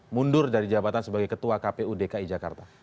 mundur dari jabatan sebagai ketua kpu dki jakarta